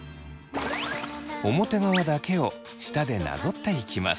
表側だけを舌でなぞっていきます。